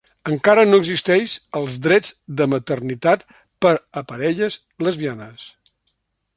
Encara no existeix els drets de maternitat per a parelles lesbianes.